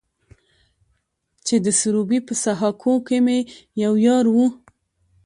چې د سروبي په سهاکو کې مې يو يار و.